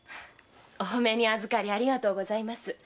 お褒めにあずかりありがとうございます。